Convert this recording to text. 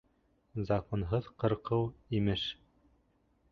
Законһыҙ ҡырҡыу, имеш.